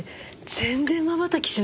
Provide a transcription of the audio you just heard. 全然まばたきしなくない？